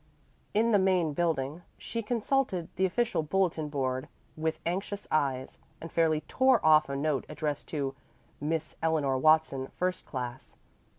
In the main building she consulted the official bulletin board with anxious eyes, and fairly tore off a note addressed to "Miss Eleanor Watson, First Class."